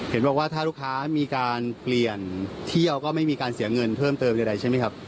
เห็นบอกว่าถ้าลูกค้ามีการเปลี่ยนเที่ยวก็ไม่มีการเสียเงินเพิ่มเติมใดใช่ไหมครับ